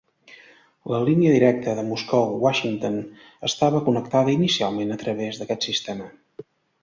La línia directa Moscou-Washington estava connectada inicialment a través d'aquest sistema.